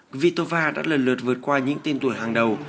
ghitova đã lần lượt vượt qua những tên tuổi hàng đầu